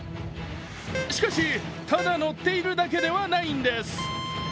しかし、ただ乗っているだけではないんです。